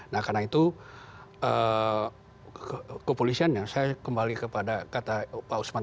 nah karena itu kepolisiannya saya kembali kepada kata pak usman